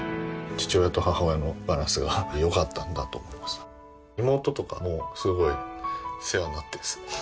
父親と母親のバランスがよかったんだと思います妹とかもすごい世話になってるんです